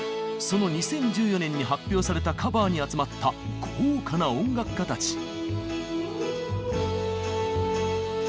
その２０１４年に発表されたカバーに集まった豪華な音楽家たち。